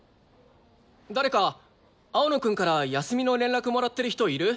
誰か青野くんから休みの連絡もらってる人いる？